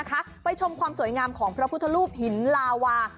ไปชมความสวยงามของพระพุทธรูปหินลาวา